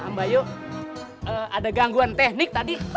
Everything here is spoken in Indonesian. mbak yo ada gangguan teknik tadi